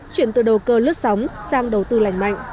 chuyển từ đầu cơ lướt sóng sang đầu tư lành mạnh